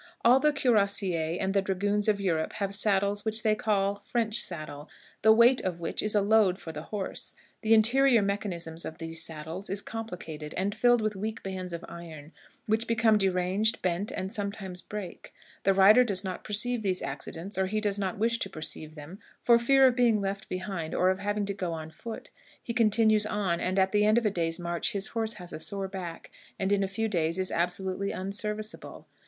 All the cuirassiers and the dragoons of Europe have saddles which they call French saddle, the weight of which is a load for the horse. The interior mechanism of these saddles is complicated and filled with weak bands of iron, which become deranged, bend, and sometimes break; the rider does not perceive these accidents, or he does not wish to perceive them, for fear of being left behind or of having to go on foot; he continues on, and at the end of a day's march his horse has a sore back, and in a few days is absolutely unserviceable.